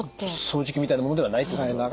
掃除機みたいなものではないってことですね？